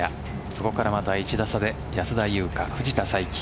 そこからまた１打差で安田祐香、藤田さいき